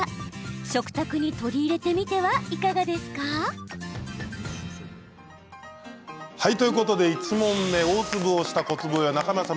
食卓に取り入れてみてはいかがですか？ということで１問目大粒を下小粒を上中山さん